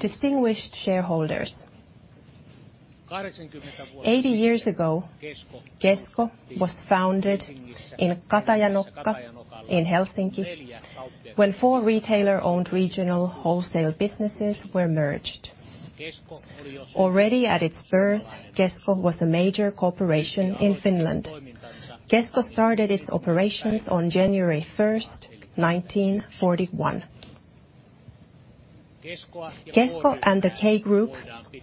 Distinguished shareholders, 80 years ago, Kesko was founded in Katajanokka in Helsinki when four retailer-owned regional wholesale businesses were merged. Already at its birth, Kesko was a major corporation in Finland. Kesko started its operations on January 1st, 1941. Kesko and the K Group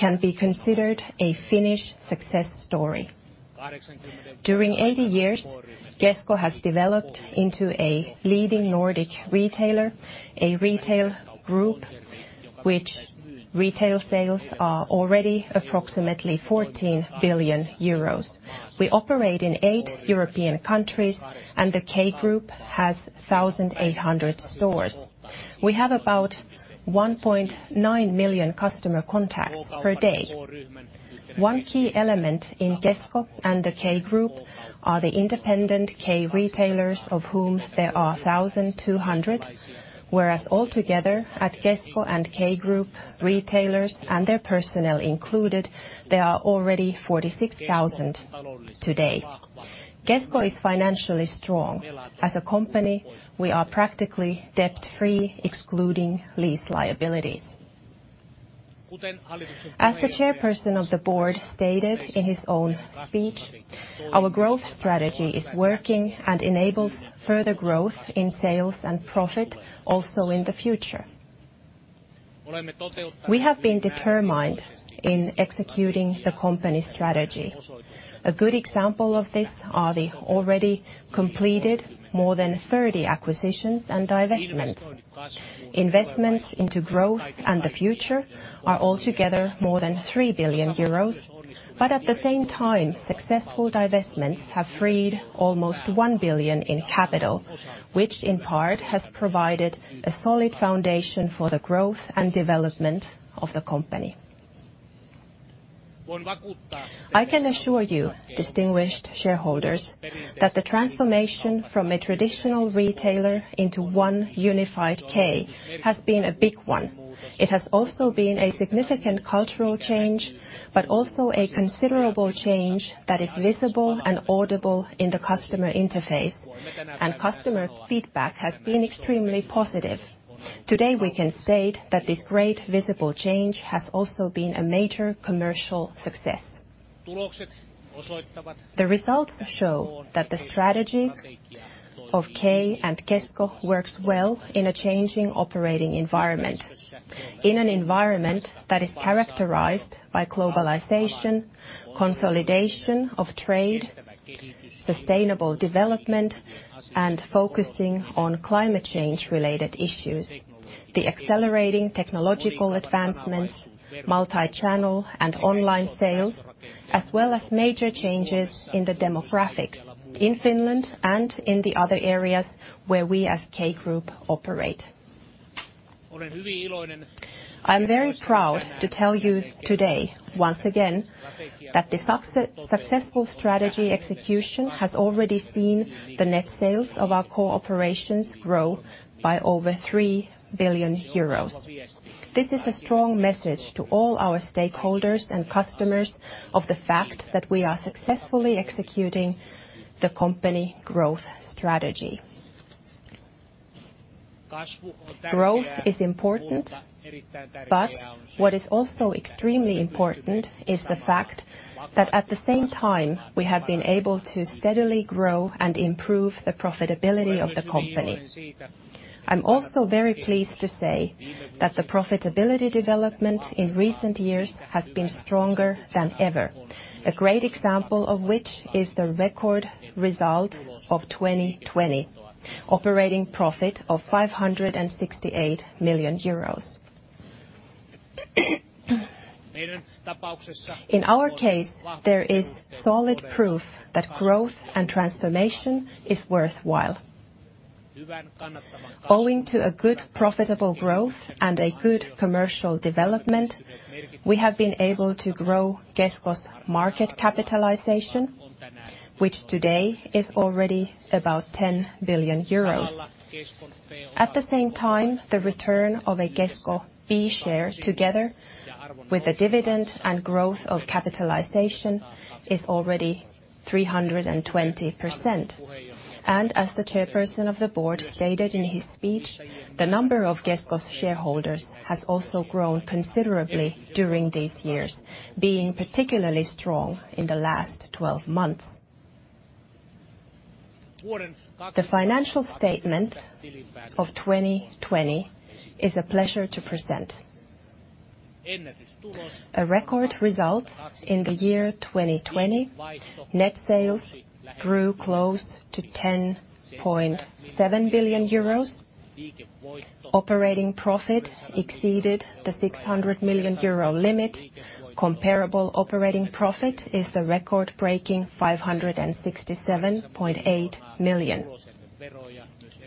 can be considered a Finnish success story. During 80 years, Kesko has developed into a leading Nordic retailer, a retail group which retail sales are already approximately 14 billion euros. We operate in eight European countries, and the K Group has 1,800 stores. We have about 1.9 million customer contacts per day. One key element in Kesko and the K Group are the independent K-retailers, of whom there are 1,200, whereas altogether at Kesko and K Group, retailers and their personnel included, there are already 46,000 today. Kesko is financially strong. As a company, we are practically debt-free, excluding lease liabilities. As the chairperson of the board stated in his own speech, our growth strategy is working and enables further growth in sales and profit also in the future. We have been determined in executing the company strategy. A good example of this are the already completed more than 30 acquisitions and divestments. Investments into growth and the future are altogether more than 3 billion euros. At the same time, successful divestments have freed almost 1 billion in capital, which in part has provided a solid foundation for the growth and development of the company. I can assure you, distinguished shareholders, that the transformation from a traditional retailer into one unified K has been a big one. It has also been a significant cultural change, but also a considerable change that is visible and audible in the customer interface, and customer feedback has been extremely positive. Today, we can state that this great visible change has also been a major commercial success. The results show that the strategy of K and Kesko works well in a changing operating environment, in an environment that is characterized by globalization, consolidation of trade, sustainable development, and focusing on climate change-related issues, the accelerating technological advancements, multi-channel and online sales, as well as major changes in the demographics in Finland and in the other areas where we as K Group operate. I am very proud to tell you today, once again, that the successful strategy execution has already seen the net sales of our cooperations grow by over 3 billion euros. This is a strong message to all our stakeholders and customers of the fact that we are successfully executing the company growth strategy. Growth is important. What is also extremely important is the fact that at the same time, we have been able to steadily grow and improve the profitability of the company. I'm also very pleased to say that the profitability development in recent years has been stronger than ever. A great example of which is the record result of 2020, operating profit of EUR 568 million. In our case, there is solid proof that growth and transformation is worthwhile. Owing to a good profitable growth and a good commercial development, we have been able to grow Kesko's market capitalization, which today is already about 10 billion euros. At the same time, the return of a Kesko B share together with a dividend and growth of capitalization is already 320%. As the chairperson of the board stated in his speech, the number of Kesko's shareholders has also grown considerably during these years, being particularly strong in the last 12 months. The financial statement of 2020 is a pleasure to present. A record result in the year 2020, net sales grew close to 10.7 billion euros. Operating profit exceeded the 600 million euro limit. Comparable operating profit is a record-breaking 567.8 million.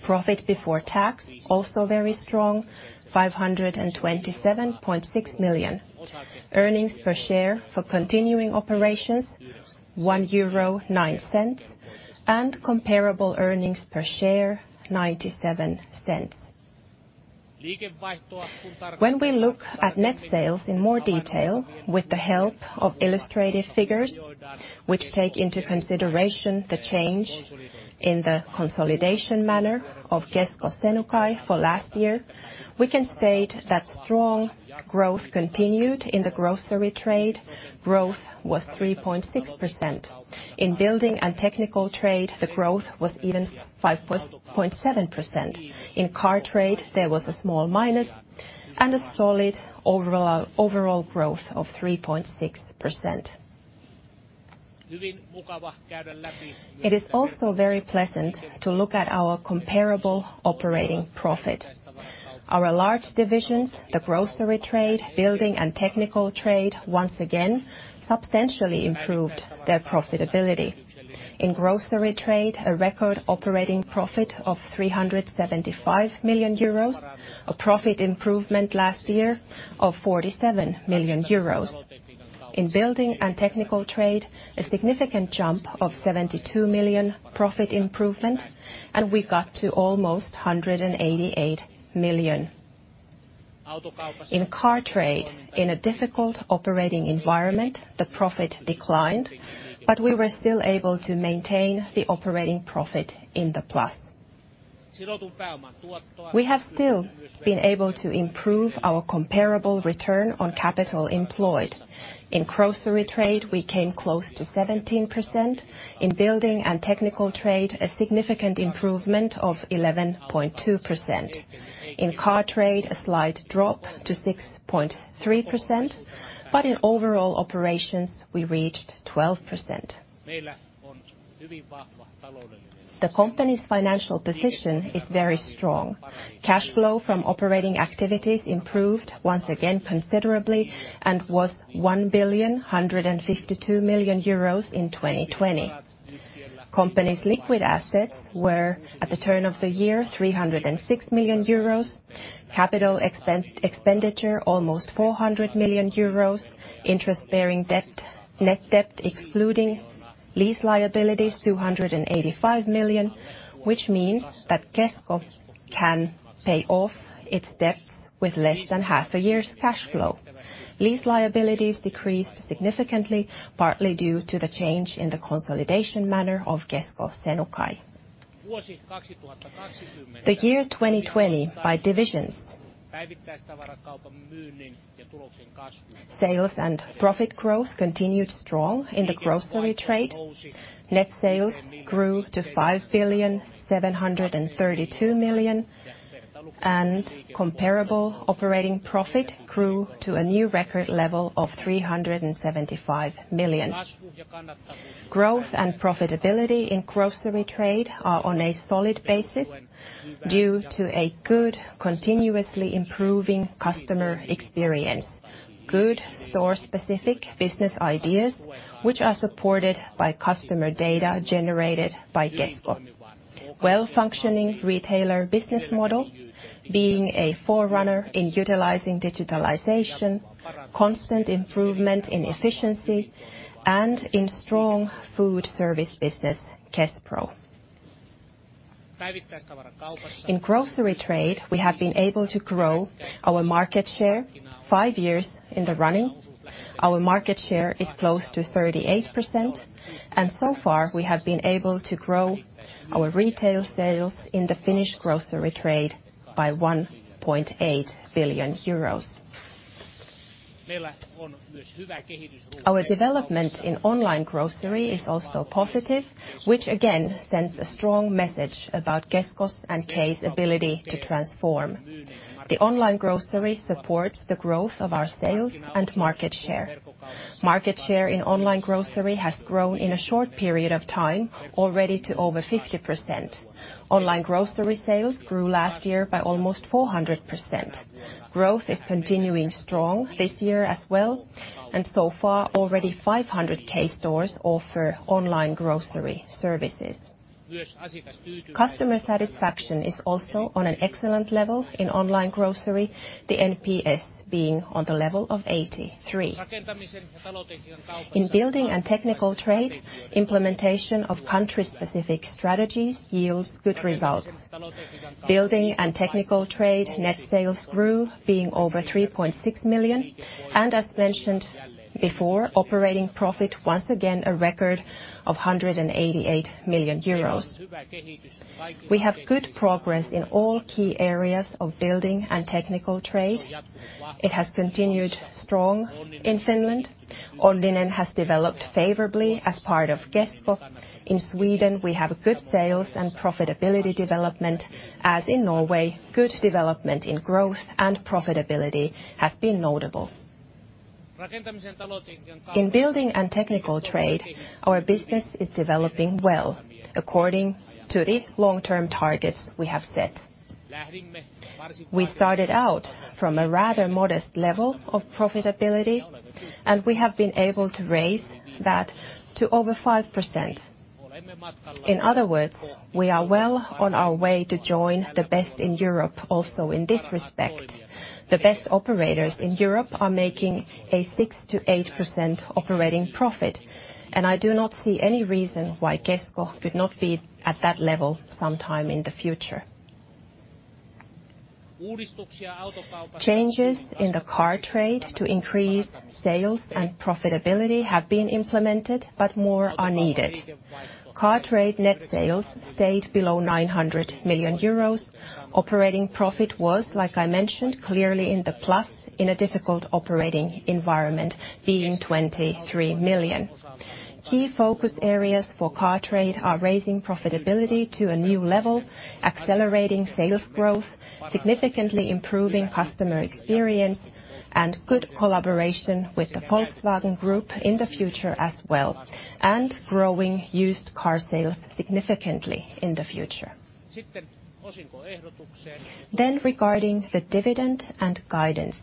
Profit before tax, also very strong, 527.6 million. Earnings per share for continuing operations, 1.09 euro, and comparable earnings per share, 0.97. When we look at net sales in more detail with the help of illustrative figures, which take into consideration the change in the consolidation manner of Kesko Senukai for last year, we can state that strong growth continued in the grocery trade. Growth was 3.6%. In building and technical trade, the growth was even 5.7%. In car trade, there was a small minus and a solid overall growth of 3.6%. It is also very pleasant to look at our comparable operating profit. Our large divisions, the grocery trade, building and technical trade, once again substantially improved their profitability. In grocery trade, a record operating profit of 375 million euros, a profit improvement last year of 47 million euros. In building and technical trade, a significant jump of 72 million profit improvement, and we got to almost 188 million. In car trade, in a difficult operating environment, the profit declined, but we were still able to maintain the operating profit in the plus. We have still been able to improve our comparable return on capital employed. In grocery trade, we came close to 17%. In building and technical trade, a significant improvement of 11.2%. In car trade, a slight drop to 6.3%, but in overall operations we reached 12%. The company's financial position is very strong. Cash flow from operating activities improved once again considerably and was 1.152 billion euros in 2020. Company's liquid assets were, at the turn of the year, 306 million euros. Capital expenditure, almost 400 million euros. Interest-bearing debt, net debt excluding lease liabilities, 285 million, which means that Kesko can pay off its debts with less than half a year's cash flow. Lease liabilities decreased significantly, partly due to the change in the consolidation manner of Kesko Senukai. The year 2020 by divisions. Sales and profit growth continued strong in the grocery trade. Net sales grew to 5.732 billion and comparable operating profit grew to a new record level of 375 million. Growth and profitability in grocery trade are on a solid basis due to a good, continuously improving customer experience, good store-specific business ideas, which are supported by customer data generated by Kesko. Well-functioning retailer business model, being a forerunner in utilizing digitalization, constant improvement in efficiency, and in strong foodservice business, Kespro. In grocery trade, we have been able to grow our market share five years in the running. Our market share is close to 38%, and so far we have been able to grow our retail sales in the Finnish grocery trade by 1.8 billion euros. Our development in online grocery is also positive, which again sends a strong message about Kesko's and K's ability to transform. The online grocery supports the growth of our sales and market share. Market share in online grocery has grown in a short period of time already to over 50%. Online grocery sales grew last year by almost 400%. Growth is continuing strong this year as well. So far already 500 K-stores offer online grocery services. Customer satisfaction is also on an excellent level in online grocery, the NPS being on the level of 83. In building and technical trade, implementation of country-specific strategies yields good results. Building and technical trade net sales grew being over 3.6 million. As mentioned before, operating profit, once again, a record of 188 million euros. We have good progress in all key areas of building and technical trade. It has continued strong in Finland. Onninen has developed favorably as part of Kesko. In Sweden, we have a good sales and profitability development. In Norway, good development in growth and profitability have been notable. In building and technical trade, our business is developing well according to the long-term targets we have set. We started out from a rather modest level of profitability, and we have been able to raise that to over 5%. In other words, we are well on our way to join the best in Europe also in this respect. The best operators in Europe are making a 6%-8% operating profit, and I do not see any reason why Kesko could not be at that level sometime in the future. Changes in the car trade to increase sales and profitability have been implemented, but more are needed. Car trade net sales stayed below 900 million euros. Operating profit was, like I mentioned, clearly in the plus in a difficult operating environment, being 23 million. Key focus areas for car trade are raising profitability to a new level, accelerating sales growth, significantly improving customer experience, and good collaboration with the Volkswagen Group in the future as well, and growing used car sales significantly in the future. Regarding the dividend and guidance.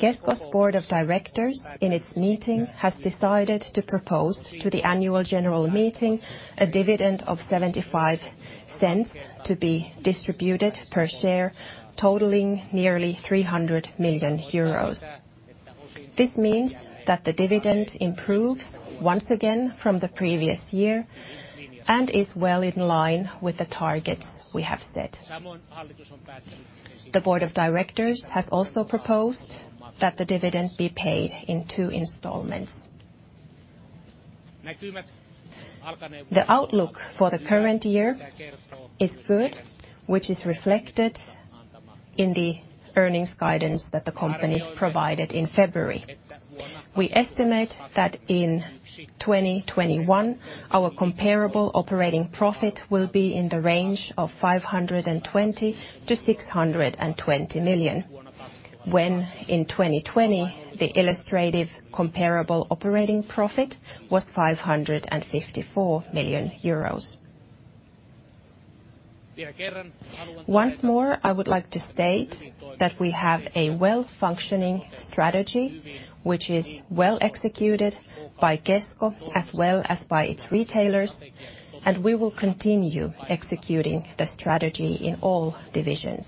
Kesko's board of directors in its meeting has decided to propose to the Annual General Meeting a dividend of 0.75 to be distributed per share, totaling nearly 300 million euros. This means that the dividend improves once again from the previous year and is well in line with the target we have set. The board of directors has also proposed that the dividend be paid in two installments. The outlook for the current year is good, which is reflected in the earnings guidance that the company provided in February. We estimate that in 2021, our comparable operating profit will be in the range of 520 million-620 million, when in 2020, the illustrative comparable operating profit was 554 million euros. Once more, I would like to state that we have a well-functioning strategy, which is well executed by Kesko as well as by its retailers, and we will continue executing the strategy in all divisions.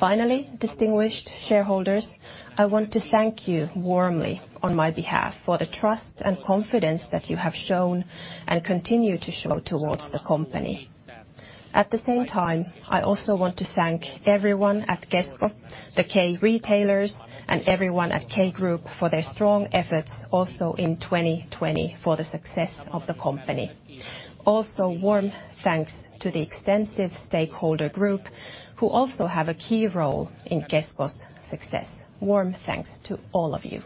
Finally, distinguished shareholders, I want to thank you warmly on my behalf for the trust and confidence that you have shown and continue to show towards the company. At the same time, I also want to thank everyone at Kesko, the K-retailers, and everyone at K Group for their strong efforts also in 2020 for the success of the company. Warm thanks to the extensive stakeholder group who also have a key role in Kesko's success. Warm thanks to all of you.